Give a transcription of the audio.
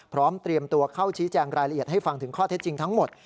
พร้อมเตรียมตัวเข้าชี้แจงรายละเอียดให้ฟังถึงข้อเท็จจริงทั้งหมด